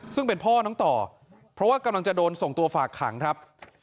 ซึ่งเป็นพ่อน้องต่อเพราะว่ากำลังจะโดนส่งตัวฝากขังครับ